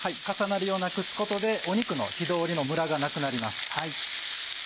重なりをなくすことで肉の火通りのムラがなくなります。